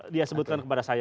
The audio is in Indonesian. dia sebutkan kepada saya